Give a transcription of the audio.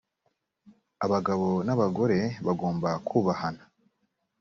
abagabo na bagore bagomba kubahana.